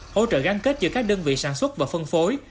hỗ trợ gắn kết giữa các đơn vị sản xuất và phân phối